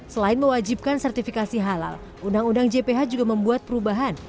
selain mewajibkan sertifikasi halal undang undang jph juga membuat perubahan